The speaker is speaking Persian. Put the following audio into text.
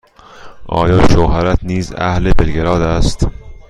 آیا شوهرت نیز اهل بلگراد است؟